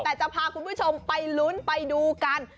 แต่จะพาคุณผู้ชมไปลุ้นไปดูกัน